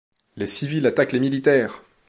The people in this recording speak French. Les civils attaquent les militaires!